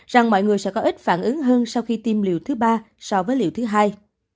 rằng mọi người sẽ có ít phản ứng hơn sau khi tiêm liều thứ ba so với liều thứ hai